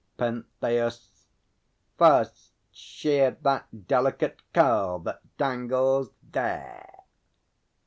PENTHEUS. First, shear that delicate curl that dangles there.